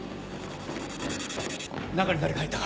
中に誰か入ったか？